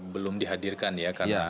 belum dihadirkan ya karena